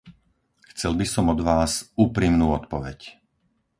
Chcel by som od vás úprimnú odpoveď.